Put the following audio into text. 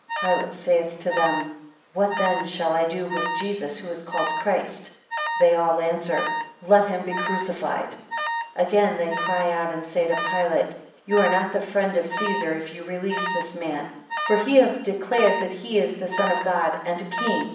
6 Pilate saith to them, What then shall I do with Jesus who is called Christ? 7 They all answer, Let him be crucified. 8 Again they cry out and say to Pilate, You are not the friend of Caesar, if you release this man; for he hath declared that he is the Son of God, and a king.